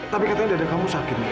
tapi katanya dada kamu sakit